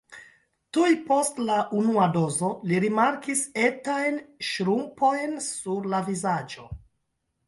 Tuj post la unua dozo li rimarkis etajn ŝrumpojn sur la vizaĝo.